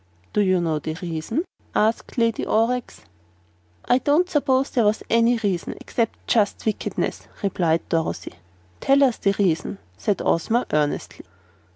"Do you know the reason?" asked the Lady Aurex. "I don't s'pose there was any reason, 'cept just wickedness," replied Dorothy. "Tell us the reason," said Ozma earnestly.